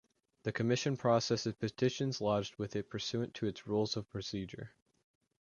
The Commission processes petitions lodged with it pursuant to its Rules of Procedure.